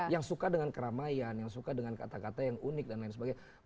yang suka dengan keramaian yang suka dengan kata kata yang unik dan lain sebagainya